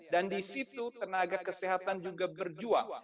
dan disitu tenaga kesehatan juga berjuang